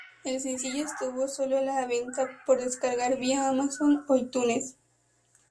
El sencillo estuvo solo a la venta por descargar vía Amazon o iTunes.